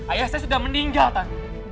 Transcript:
ayah saya sudah meninggal tante